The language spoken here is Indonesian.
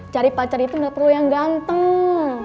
cari pacar itu gak perlu yang ganteng